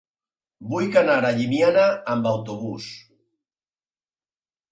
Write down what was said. Vull anar a Llimiana amb autobús.